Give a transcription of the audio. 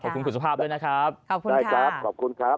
ขอบคุณคุณสุภาพด้วยนะครับขอบคุณได้ครับขอบคุณครับ